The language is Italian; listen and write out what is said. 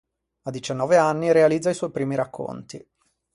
A diciannove anni realizza i suoi primi racconti.